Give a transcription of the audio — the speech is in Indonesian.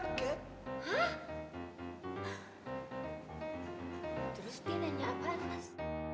terus dia nanya apaan mas